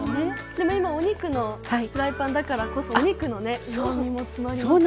でも今お肉のフライパンだからこそお肉のねうまみも詰まりますね。